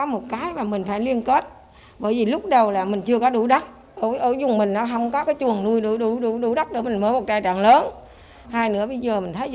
mô hình đã mang lại hiệu quả kinh tế cao cho người chăn nuôi